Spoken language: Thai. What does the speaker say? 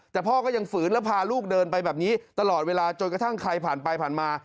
แต่พ่อก็ยังฝืนแล้วพาลูกเดินไปแบบนี้ตลอดเวลาจนกระทั่งใครผ่านไปผ่านมา